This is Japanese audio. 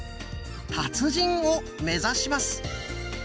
達人を目指します。